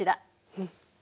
うん。